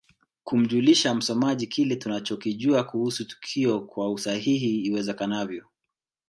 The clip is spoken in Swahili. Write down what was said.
Kumjulisha msomaji kile tunachokijua kuhusu tukio kwa usahihi iwezekanavyo